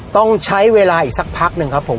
ต้องใช้เวลาอีกสักพักหนึ่งครับผม